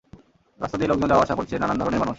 রাস্তা দিয়ে লোকজন যাওয়া-আসা করছে, নানান ধরনের মানুষ।